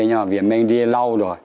nhưng mà viên minh đi lâu rồi